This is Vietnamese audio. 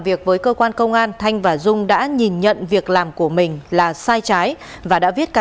biết vợ chồng ông hòa đang đi làm ăn xa